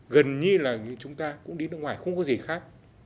gần như là chúng ta cũng đi nước ngoài không có gì khác